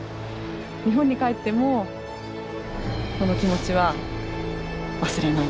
日本に帰ってもこの気持ちは忘れない。